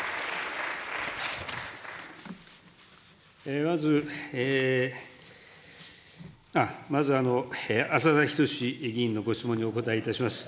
まず、まず浅田均議員のご質問にお答えいたします。